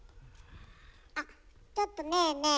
あっちょっとねえねえ